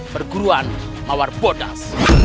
perguruan mawar bodas